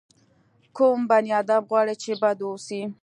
کوم بني ادم غواړي چې بد واوسي.